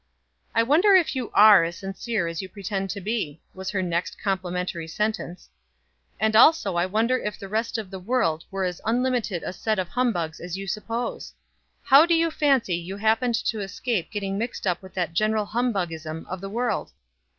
"I wonder if you are as sincere as you pretend to be?" was her next complimentary sentence. "And also I wonder if the rest of the world are as unlimited a set of humbugs as you suppose? How do you fancy you happened to escape getting mixed up with the general humbugism of the world?